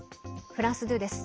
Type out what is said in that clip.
フランス２です。